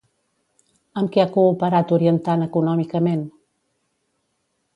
Amb qui ha cooperat orientant econòmicament?